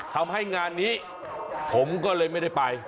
ทำให้งานนี้ผมก็เลยไม่ได้ไป